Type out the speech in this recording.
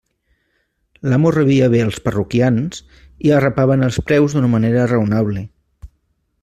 L'amo rebia bé els parroquians i arrapava en els preus d'una manera raonable.